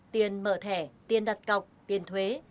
tiền mở thẻ tiền đặt cọc tiền thuế